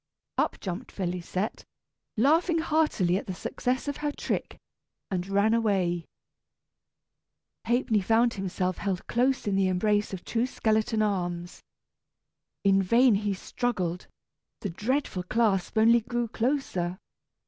Up jumped Félisette, laughing heartily at the success of her trick, and ran away. [Illustration: Ha'penny opens the magic closet.] Ha'penny found himself held close in the embrace of two skeleton arms. In vain he struggled; the dreadful clasp only grew closer.